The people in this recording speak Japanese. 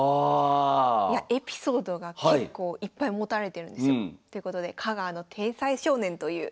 エピソードが結構いっぱい持たれてるんですよ。ということで「香川の天才少年」という。